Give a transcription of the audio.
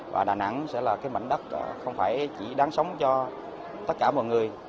và đà nẵng sẽ là cái mảnh đất không phải chỉ đáng sống cho tất cả mọi người